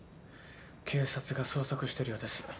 警察が捜索してるようです。